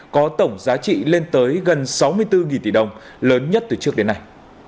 có tổng giá trị lên tới gần sáu mươi bốn tỷ đồng lớn nhất từ trước đến nay